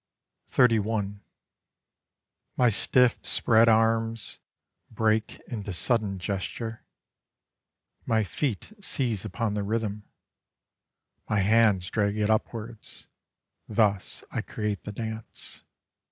XXXI My stiff spread arms Break into sudden gesture; My feet seize upon the rhythm; My hands drag it upwards: Thus I create the dance.